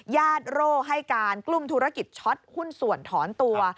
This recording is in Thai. โร่ให้การกลุ่มธุรกิจช็อตหุ้นส่วนถอนตัว